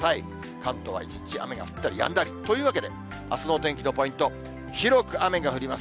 関東は一日、雨が降ったりやんだり。というわけで、あすのお天気のポイント、広く雨が降ります。